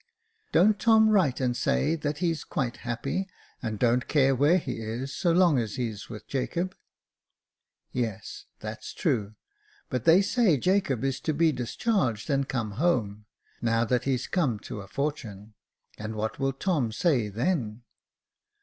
Don't Tom write and say that he's quite happy, and don't care where he is so long as he's with Jacob ?"" Yes J that's true j but they say Jacob is to be dis charged and come home, now that he's come to a fortune •, and what will Tom say then